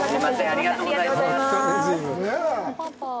ありがとうございます。